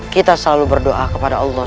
kita selalu berdoa kepada allah sw